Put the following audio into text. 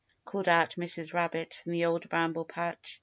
called out Mrs. Rabbit from the Old Bramble Patch.